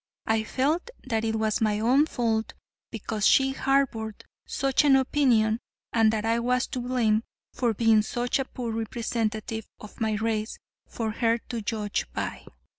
I felt that it was my own fault because she harbored such an opinion and that I was to blame for being such a poor representative of my race for her to judge by.